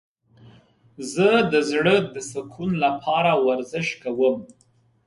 زه د زړه د سکون لپاره ورزش کوم.